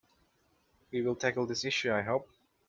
We will tackle this issue, I hope.